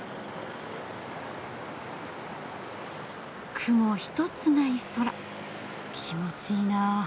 雲ひとつない空気持ちいいな。